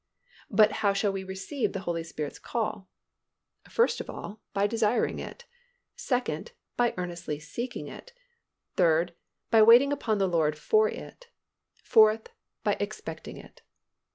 But how shall we receive the Holy Spirit's call? First of all, by desiring it; second, by earnestly seeking it; third, by waiting upon the Lord for it; fourth, by expecting it.